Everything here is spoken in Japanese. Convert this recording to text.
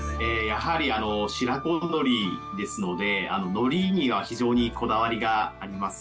やはり、白子のりですので、のりには非常にこだわりがあります。